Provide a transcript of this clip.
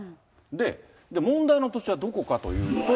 で、問題の土地はどこかというと。